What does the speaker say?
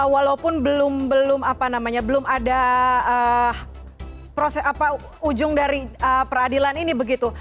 walaupun belum ada proses ujung dari peradilan ini begitu